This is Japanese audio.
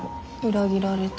裏切られた。